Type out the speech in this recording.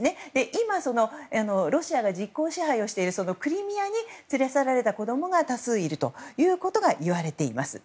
今、ロシアが実効支配をしているクリミアに連れ去られた子供が多数いるということがいわれています。